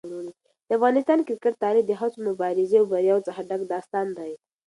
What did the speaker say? د افغانستان کرکټ تاریخ د هڅو، مبارزې او بریاوو څخه ډک داستان دی.